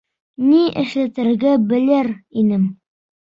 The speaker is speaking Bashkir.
Ни эшләтергә белер инем.